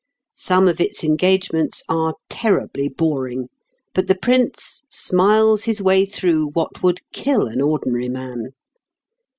Some of its engagements are terribly boring, but the Prince smiles his way through what would kill an ordinary man.